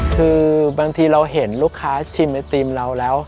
คือบางทีเราเห็นลูกค้าชิมไอติมเราแล้ว